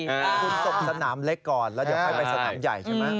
คุณตกสนามเล็กก่อนแล้วเดี๋ยวค่อยไปสนามใหญ่ใช่ไหม